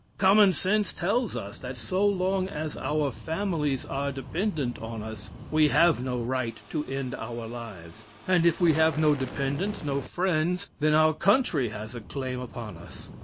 Common sense tells us that so long as our families are dependent upon us, we have no right to end our lives; and if we have no dependents, no friends, then our country has a claim upon us.